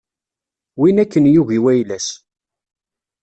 Win akken yugi wayla-s.